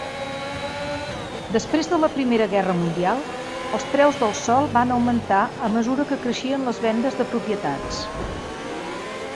Després de la Primera Guerra Mundial, els preus del sòl van augmentar a mesura que creixien les vendes de propietats.